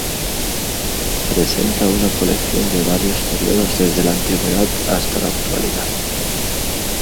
Presenta una colección de varios períodos desde la antigüedad hasta la actualidad.